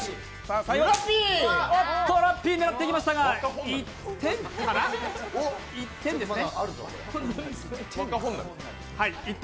ラッピー狙っていきましたが、１点ですね。